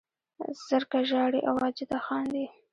زرکه ژاړي او واجده خاندي